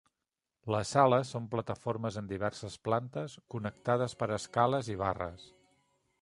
Les sales són plataformes en diverses plantes, connectades per escales i barres.